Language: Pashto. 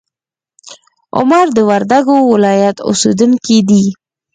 عمر د وردګو ولایت اوسیدونکی دی.